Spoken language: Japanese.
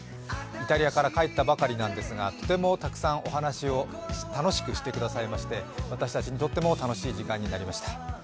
イタリアから帰ったばかりなんですがとても楽しくたくさんお話をしてくださいまして私たちにとっても楽しい時間になりました。